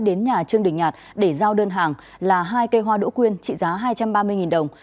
đến nhà trương đình nhạt để giao đơn hàng là hai cây hoa đỗ quyên trị giá hai trăm ba mươi đồng